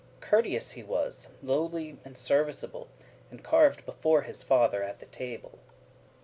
Courteous he was, lowly, and serviceable, And carv'd before his father at the table.